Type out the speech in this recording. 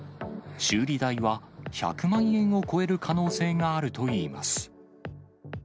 修理代は１００万円を超える可能性があるといいます。